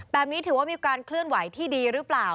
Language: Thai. ถือว่ามีการเคลื่อนไหวที่ดีหรือเปล่า